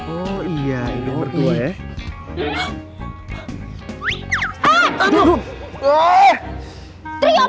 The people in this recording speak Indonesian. oh iya ini berdua ya